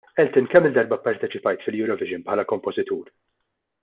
Elton, kemm-il darba pparteċipajt fil-Eurovision bħala kompożitur?